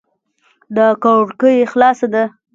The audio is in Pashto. دا کړکي خلاصه ده